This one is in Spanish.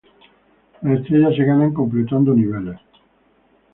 Las estrellas se ganan completando niveles.